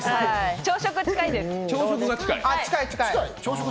朝食、近いです。